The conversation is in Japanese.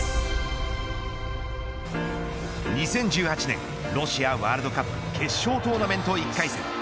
２０１８年ロシアワールドカップ決勝トーナメント１回戦。